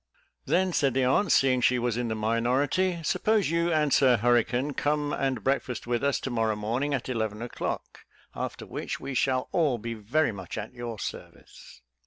"Then," said the aunt, seeing she was in the minority, "suppose you and Sir Hurricane come and breakfast with us to morrow morning at eleven o'clock, after which, we shall all be very much at your service."